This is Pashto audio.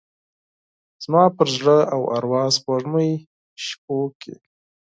زما پر زړه او اروا د سپوږمۍ شپوکې،